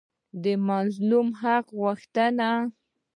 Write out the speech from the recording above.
د مظلوم حق یې وغوښت.